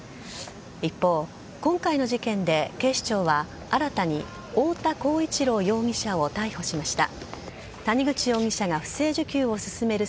一方、今回の事件で警視庁は新たに太田浩一朗容疑者を逮捕しました。